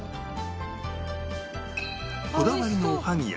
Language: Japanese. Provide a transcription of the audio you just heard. こだわりのおはぎや